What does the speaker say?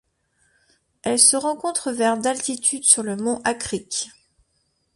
Elle se rencontre vers d'altitude sur le mont Akric.